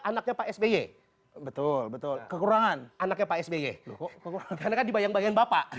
anaknya pak sby betul betul kekurangan anaknya pak sby kekurangan karena kan dibayang bayang bapak